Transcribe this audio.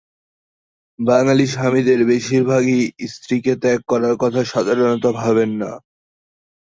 বাঙালি স্বামীদের বেশির ভাগই স্ত্রীকে ত্যাগ করার কথা সাধারণত ভাবেন না।